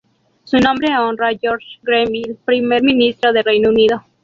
Su nombre honra George Grenville, primer ministro de Reino unido.